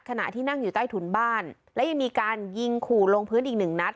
ขณะที่นั่งอยู่ใต้ถุนบ้านและยังมีการยิงขู่ลงพื้นอีกหนึ่งนัด